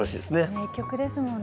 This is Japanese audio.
名曲ですもんね。